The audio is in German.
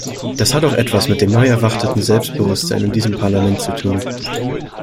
Das hat auch etwas mit dem neu erwachten Selbstbewusstsein in diesem Parlament zu tun.